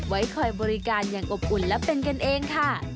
ไว้คอยบริการอย่างอบอุ่นและเป็นกันเองค่ะ